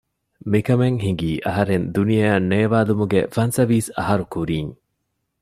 މިކަމެއް ހިނގީ އަހަރެން ދުނިޔެއަށް ނޭވާލުމުގެ ފަންސަވީސް އަހަރު ކުރީން